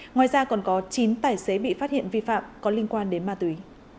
ngoài ra còn có chín tài xế bị phát hiện vi phạm có liên quan đến ma túy